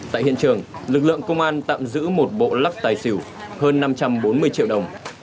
tại hiện trường lực lượng công an tạm giữ một bộ lắc tài xỉu hơn năm trăm bốn mươi triệu đồng